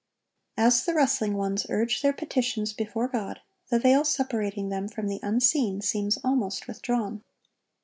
As the wrestling ones urge their petitions before God, the veil separating them from the unseen seems almost withdrawn.